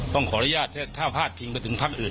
ต้องขออนุญาตถ้าพลาดเพียงไปถึงภักดิ์อื่น